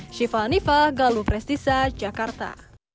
syifa hanifah galuh prestisa jakarta